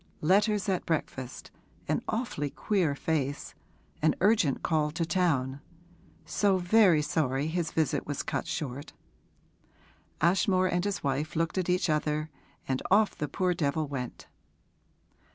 Letters at breakfast an awfully queer face an urgent call to town so very sorry his visit was cut short. Ashmore and his wife looked at each other, and off the poor devil went.'